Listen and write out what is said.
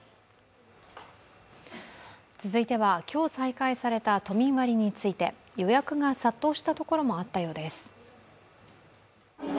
続いては今日再開された都民割について、予約が殺到したところもあったようです。